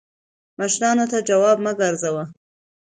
مشرانو ته جواب مه ګرځوه